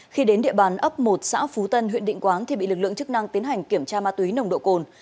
khi đến địa bàn ấp một xã phú tân huyện định quán thì bị lực lượng chức năng tiến hành kiểm tra ma túy nồng độ cồn